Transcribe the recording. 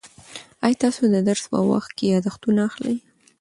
آیا تاسو د درس په وخت کې یادښتونه اخلئ؟